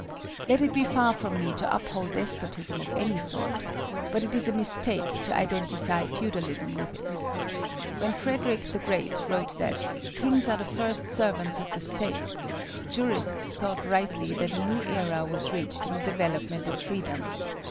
Let it be far from me to uphold despotism of any sort; but it is a mistake to identify feudalism with it. When Frederick the Great wrote that "Kings are the first servants of the State," jurists thought rightly that a new era was reached in the development of freedom.